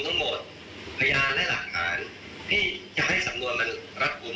ทั้งหมดพยานและหลักฐานที่จะให้สำนวนมันรัดกลุ่ม